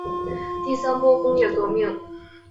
第三波工业革命